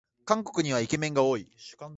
韓国にはイケメンが多い